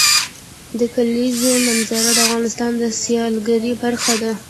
د کلیزو منظره د افغانستان د سیلګرۍ برخه ده.